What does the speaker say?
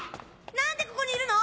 何でここにいるの？